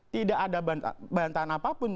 tidak ada bantahan apapun